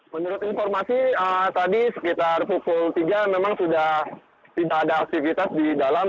menurut informasi tadi sekitar pukul tiga memang sudah tidak ada aktivitas di dalam